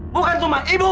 bukan rumah ibu